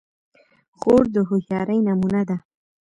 خور د هوښیارۍ نمونه ده.